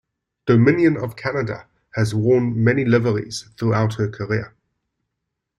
"Dominion of Canada" has worn many liveries throughout her career.